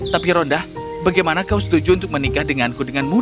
tapi ronda bagaimana kau setuju untuk menikah denganku dengan mudah